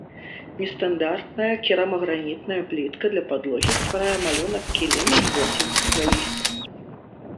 Нестандартная керамагранітная плітка для падлогі стварае малюнак кіліма з восеньскага лісця.